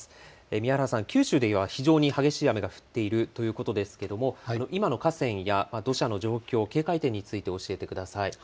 宮原さん、九州では非常に激しい雨が降っているということですけれども今の河川や土砂の状況、警戒点について教えてください。